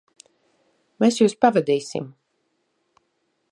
Mēs jūs pavadīsim.